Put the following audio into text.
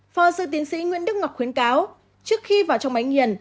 phó sư tiến sĩ nguyễn đức ngọc khuyến cáo trước khi vào trong máy nghiền